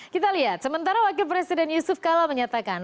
kita lihat sementara wakil presiden yusuf kala menyatakan